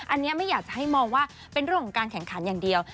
อันนี้ไม่อยากจะให้มองว่าเป็นเรื่องของการแข่งขันอย่างเดียว